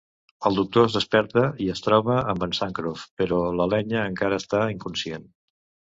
El Doctor es desperta i es troba amb en Sancroft, però l'Elenya encara està inconscient.